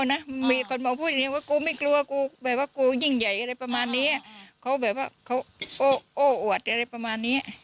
ไอ้กอนเมานะกันเมาก่อนเมาพูดจริงว่า